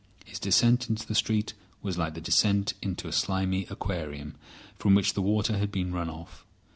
His descent into the street was like the descent into a slimy aquarium from which the water had been run off.